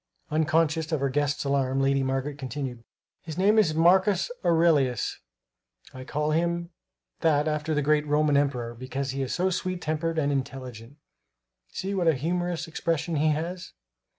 Unconscious of her guest's alarm, Lady Margaret continued: "His name is Marcus Aurelius; I call him that after the great Roman emperor, because he is so sweet tempered and intelligent. See what a humorous expression he has!"